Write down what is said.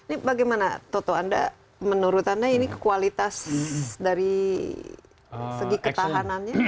ini bagaimana toto anda menurut anda ini kualitas dari segi ketahanannya